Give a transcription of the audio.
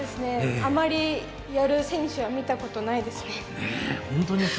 あまりやる選手は見たことないですね。